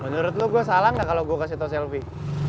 menurut lo gue salah gak kalau gue kasih tau selfie